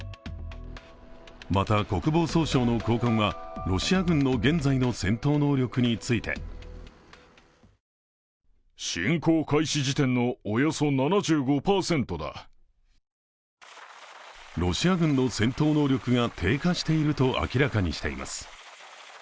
また国防総省の高官はロシア軍の現在の戦闘能力についてロシア軍の戦闘能力が低下していると明らかにしています。